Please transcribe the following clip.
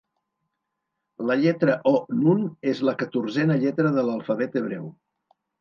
La lletra o nun és la catorzena lletra de l'alfabet hebreu.